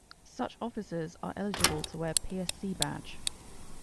Such officers are eligible to wear 'psc' badge.